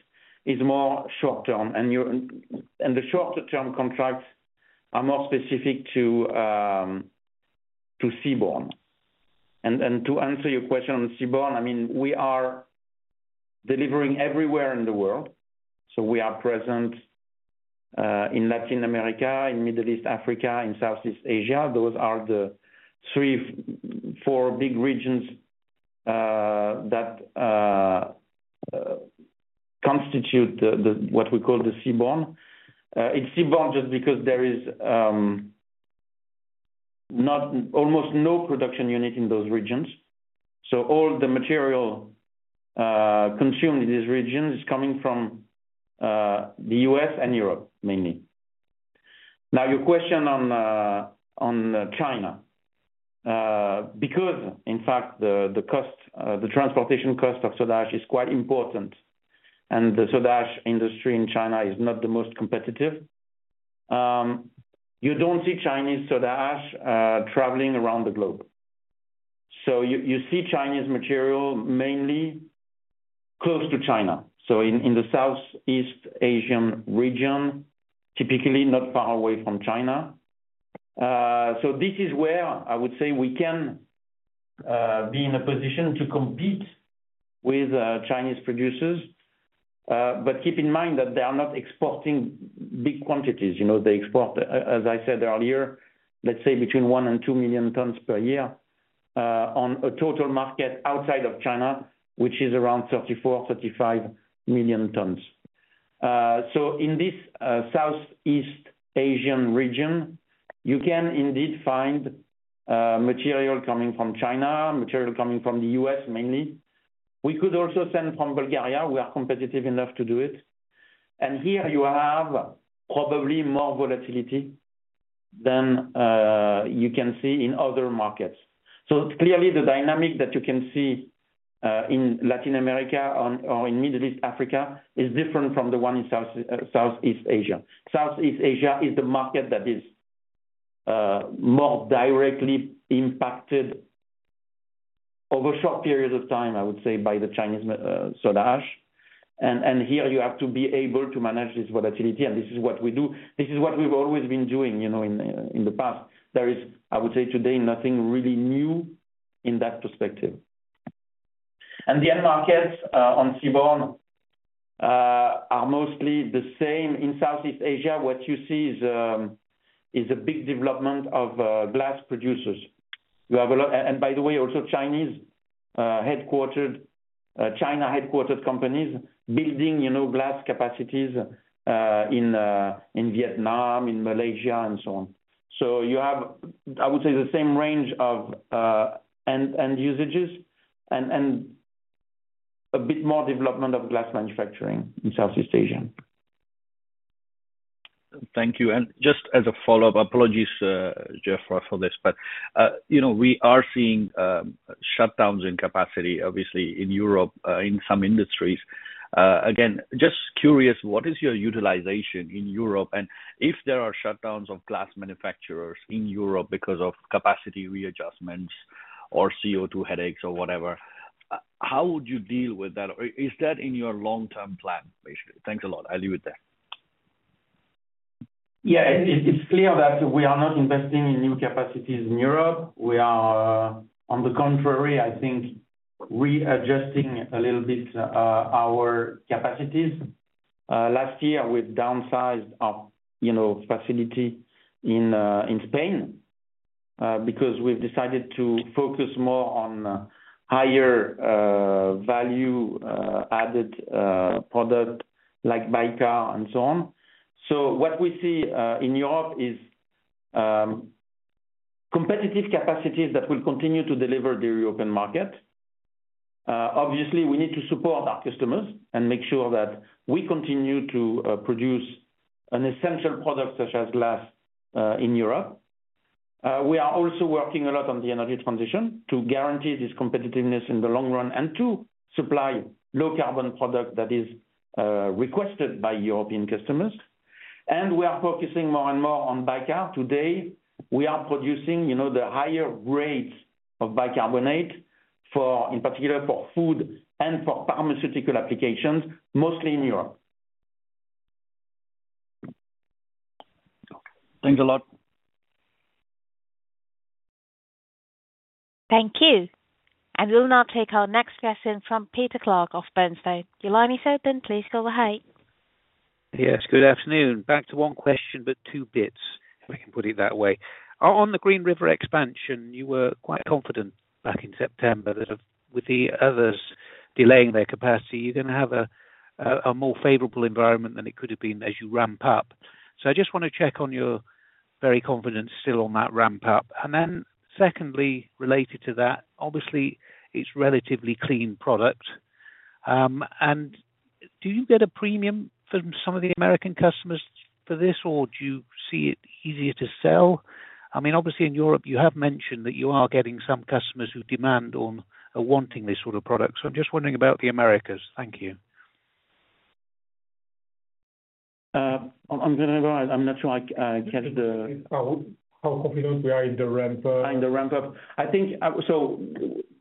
is more short-term. And the short-term contracts are more specific to seaborne. And to answer your question on seaborne, I mean, we are delivering everywhere in the world. So we are present in Latin America, in Middle East, Africa, in Southeast Asia. Those are the three, four big regions that constitute what we call the seaborne. It's seaborne just because there is almost no production unit in those regions. So all the material consumed in these regions is coming from the U.S. and Europe mainly. Now, your question on China, because in fact, the transportation cost of soda ash is quite important and the soda ash industry in China is not the most competitive. You don't see Chinese soda ash traveling around the globe. So you see Chinese material mainly close to China. So in the Southeast Asian region, typically not far away from China. So this is where I would say we can be in a position to compete with Chinese producers. But keep in mind that they are not exporting big quantities. They export, as I said earlier, let's say between one and two million tons per year on a total market outside of China, which is around 34, 35 million tons. So in this Southeast Asian region, you can indeed find material coming from China, material coming from the U.S. mainly. We could also send from Bulgaria. We are competitive enough to do it. And here you have probably more volatility than you can see in other markets. So clearly, the dynamic that you can see in Latin America or in Middle East, Africa is different from the one in Southeast Asia. Southeast Asia is the market that is more directly impacted over short periods of time, I would say, by the Chinese soda ash. And here you have to be able to manage this volatility. And this is what we do. This is what we've always been doing in the past. There is, I would say today, nothing really new in that perspective. And the end markets on seaborne are mostly the same. In Southeast Asia, what you see is a big development of glass producers. And by the way, also China headquartered companies building glass capacities in Vietnam, in Malaysia, and so on. So you have, I would say, the same range of end usages and a bit more development of glass manufacturing in Southeast Asia. Thank you. And just as a follow-up, apologies, Geoff, for this, but we are seeing shutdowns in capacity, obviously, in Europe in some industries. Again, just curious, what is your utilization in Europe? And if there are shutdowns of glass manufacturers in Europe because of capacity readjustments or CO2 headaches or whatever, how would you deal with that? Is that in your long-term plan, basically? Thanks a lot. I'll leave it there. Yeah. It's clear that we are not investing in new capacities in Europe. We are, on the contrary, I think, readjusting a little bit our capacities. Last year, we've downsized our facility in Spain because we've decided to focus more on higher value-added products like bicarbonate and so on. So what we see in Europe is competitive capacities that will continue to deliver the European market. Obviously, we need to support our customers and make sure that we continue to produce an essential product such as glass in Europe. We are also working a lot on the energy transition to guarantee this competitiveness in the long run and to supply low-carbon products that are requested by European customers. And we are focusing more and more on bicarbonate. Today, we are producing the higher grades of bicarbonate, in particular for food and for pharmaceutical applications, mostly in Europe. Thanks a lot. Thank you, and we will now take our next question from Peter Clark of Bernstein. You're lining up, and please go ahead. Yes. Good afternoon. Back to one question, but two bits, if I can put it that way. On the Green River expansion, you were quite confident back in September that with the others delaying their capacity, you're going to have a more favorable environment than it could have been as you ramp up. So I just want to check on your very confidence still on that ramp up. And then secondly, related to that, obviously, it's relatively clean product. And do you get a premium from some of the American customers for this, or do you see it easier to sell? I mean, obviously, in Europe, you have mentioned that you are getting some customers who demand or are wanting this sort of product. So I'm just wondering about the Americas. Thank you. I'm going to go ahead. I'm not sure I catch the. How confident we are in the ramp up? In the ramp up, so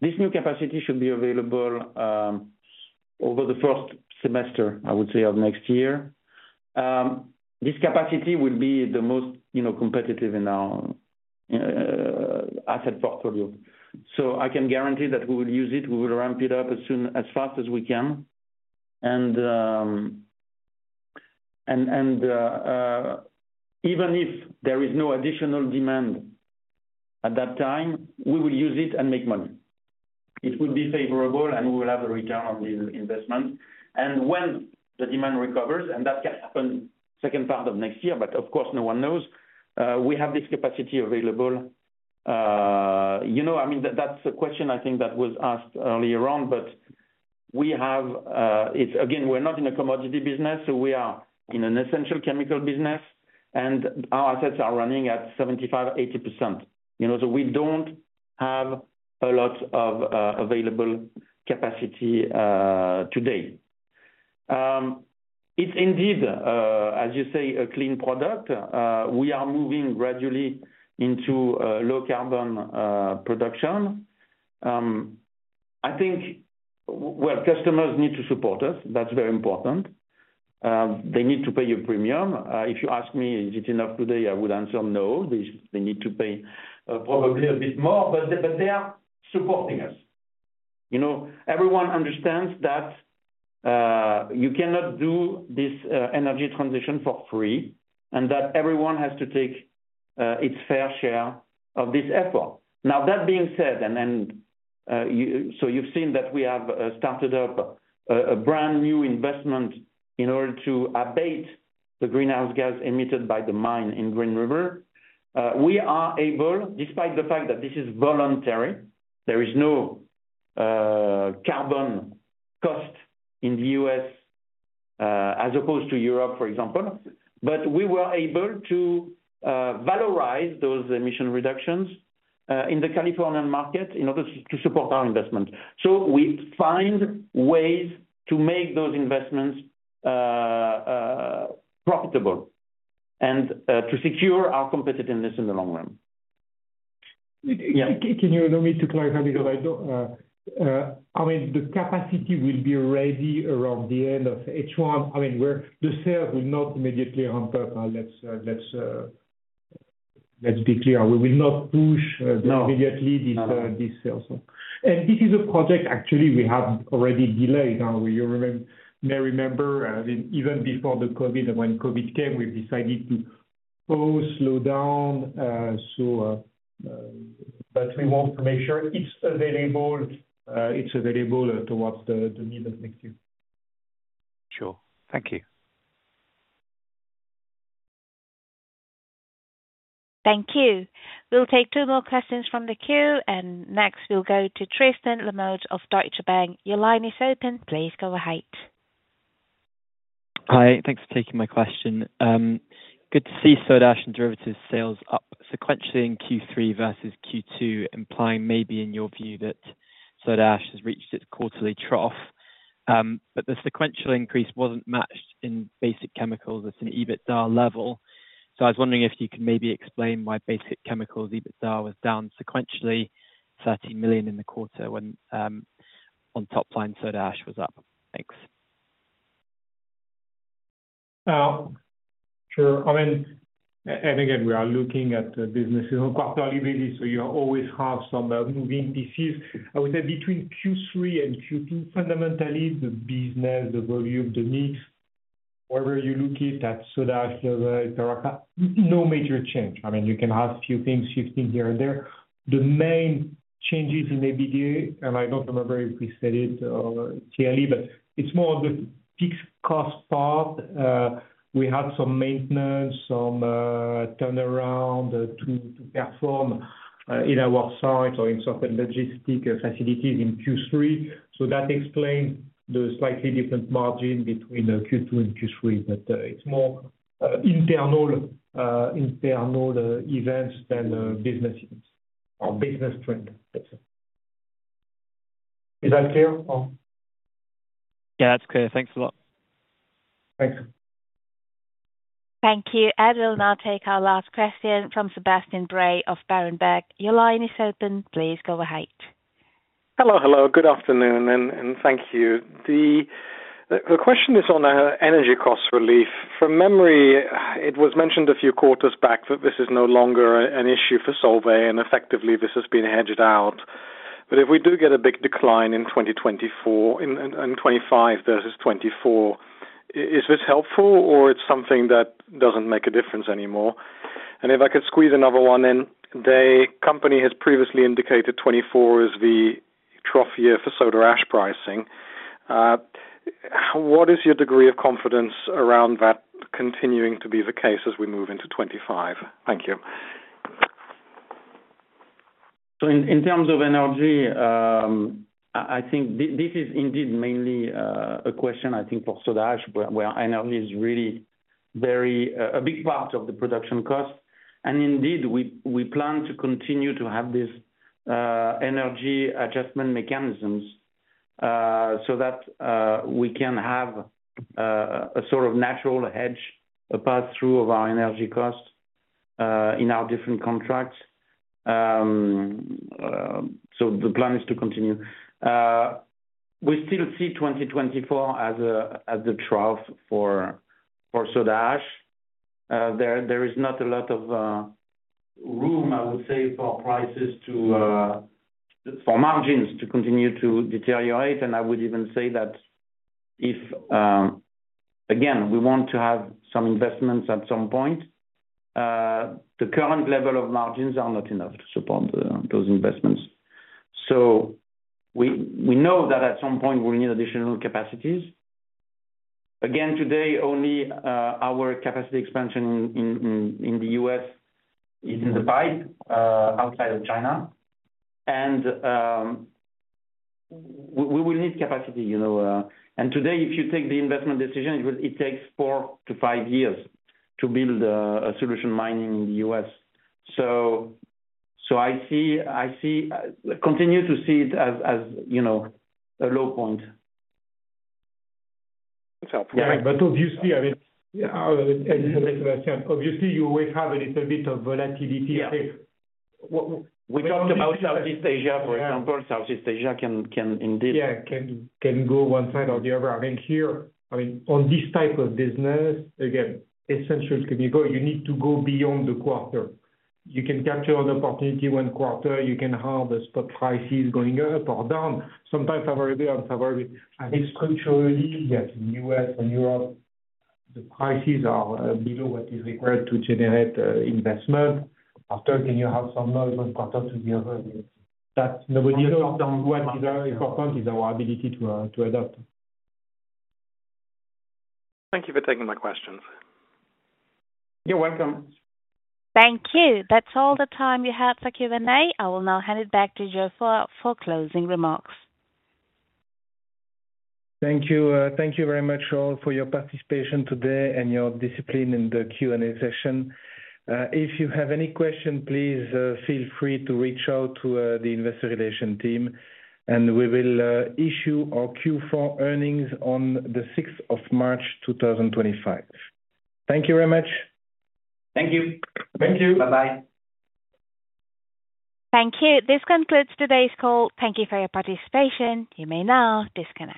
this new capacity should be available over the first semester, I would say, of next year. This capacity will be the most competitive in our asset portfolio. So I can guarantee that we will use it. We will ramp it up as fast as we can, and even if there is no additional demand at that time, we will use it and make money. It will be favorable, and we will have a return on the investment, and when the demand recovers, and that can happen second part of next year, but of course, no one knows, we have this capacity available. I mean, that's a question I think that was asked earlier on, but we have, again, we're not in a commodity business, so we are in an essential chemical business, and our assets are running at 75%-80%. So we don't have a lot of available capacity today. It's indeed, as you say, a clean product. We are moving gradually into low-carbon production. I think, well, customers need to support us. That's very important. They need to pay a premium. If you ask me, is it enough today, I would answer no. They need to pay probably a bit more, but they are supporting us. Everyone understands that you cannot do this energy transition for free and that everyone has to take its fair share of this effort. Now, that being said, and so you've seen that we have started up a brand new investment in order to abate the greenhouse gas emitted by the mine in Green River. We are able, despite the fact that this is voluntary, there is no carbon cost in the U.S. as opposed to Europe, for example. But we were able to valorize those emission reductions in the Californian market in order to support our investment. So we find ways to make those investments profitable and to secure our competitiveness in the long run. Can you allow me to clarify because, I mean, the capacity will be ready around the end of H1. I mean, the sales will not immediately ramp up. Let's be clear. We will not push immediately these sales. And this is a project actually we have already delayed. You may remember, even before the COVID, when COVID came, we decided to slow down. But we want to make sure it's available towards the middle of next year. Sure. Thank you. Thank you. We'll take two more questions from the queue. And next, we'll go to Tristan Lamotte of Deutsche Bank. Your line is open. Please go ahead. Hi. Thanks for taking my question. Good to see soda ash and derivatives sales up sequentially in Q3 versus Q2, implying maybe in your view that soda ash has reached its quarterly trough. But the sequential increase wasn't matched in basic chemicals at an EBITDA level. So I was wondering if you could maybe explain why basic chemicals EBITDA was down sequentially 30 million in the quarter when on top line soda ash was up. Thanks. Sure. I mean, and again, we are looking at businesses on quarterly basis, so you always have some moving pieces. I would say between Q3 and Q2, fundamentally, the business, the volume, the mix, wherever you look at soda ash, there's no major change. I mean, you can have a few things shifting here and there. The main changes in EBITDA, and I don't remember if we said it clearly, but it's more of the fixed cost part. We had some maintenance, some turnaround to perform in our site or in certain logistics facilities in Q3. So that explains the slightly different margin between Q2 and Q3. But it's more internal events than business events or business trends. Is that clear? Yeah, that's clear. Thanks a lot. Thanks. Thank you. And we'll now take our last question from Sebastian Bray of Berenberg. Your line is open. Please go ahead. Hello. Hello. Good afternoon. And thank you. The question is on energy cost relief. From memory, it was mentioned a few quarters back that this is no longer an issue for Solvay. And effectively, this has been hedged out. But if we do get a big decline in 2024, in 2025 versus 2024, is this helpful or it's something that doesn't make a difference anymore? And if I could squeeze another one in, the company has previously indicated 2024 is the trough year for soda ash pricing. What is your degree of confidence around that continuing to be the case as we move into 2025? Thank you. So in terms of energy, I think this is indeed mainly a question, I think, for soda ash, where energy is really a big part of the production cost. And indeed, we plan to continue to have these energy adjustment mechanisms so that we can have a sort of natural hedge, a pass-through of our energy cost in our different contracts. So the plan is to continue. We still see 2024 as the trough for soda ash. There is not a lot of room, I would say, for prices to, for margins to continue to deteriorate. And I would even say that if, again, we want to have some investments at some point, the current level of margins are not enough to support those investments. So we know that at some point, we'll need additional capacities. Again, today, only our capacity expansion in the U.S. is in the pipe outside of China. We will need capacity. Today, if you take the investment decision, it takes four to five years to build a solution mining in the U.S. I continue to see it as a low point. That's helpful. But obviously, I mean, and like I said, obviously, you always have a little bit of volatility. I think. We talked about Southeast Asia, for example. Southeast Asia can indeed. Yeah, can go one side or the other. I mean, here, I mean, on this type of business, again, essential chemical, you need to go beyond the quarter. You can capture an opportunity one quarter. You can have a spot prices going up or down. Sometimes favorably or unfavorably. I think structurally, yes, in the U.S. and Europe, the prices are below what is required to generate investment. After all, can you have some noise one quarter to the other? That's nobody knows what is our ability to adapt. Thank you for taking my questions. You're welcome. Thank you. That's all the time we have for Q&A. I will now hand it back to Geoffroy for closing remarks. Thank you. Thank you very much, all, for your participation today and your discipline in the Q&A session. If you have any questions, please feel free to reach out to the Investor Relations team, and we will issue our Q4 earnings on the 6th of March, 2025. Thank you very much. Thank you. Thank you. Bye-bye. Thank you. This concludes today's call. Thank you for your participation. You may now disconnect.